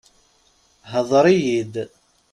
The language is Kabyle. Ḥeḍr iyid!